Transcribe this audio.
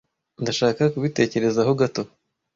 Ndashaka kubitekerezaho gato.